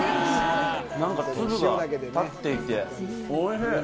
なんか粒が立っていて、おいしい。